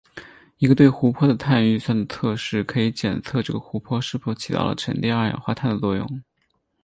一个对湖泊的碳预算的测试可以检测这个湖泊是否起到了沉淀二氧化碳的作用。